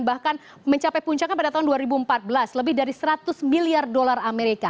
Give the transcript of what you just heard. bahkan mencapai puncaknya pada tahun dua ribu empat belas lebih dari seratus miliar dolar amerika